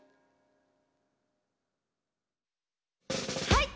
はい！